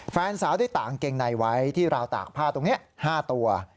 แฟนสาวได้ตากกางเกงในไว้ที่ราวตากผ้าตรงนี้๕ตัว